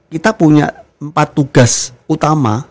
kita punya empat tugas utama